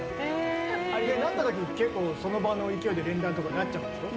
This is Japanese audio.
なった時結構その場の勢いで連弾とかになっちゃうんでしょ。